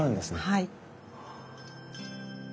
はい。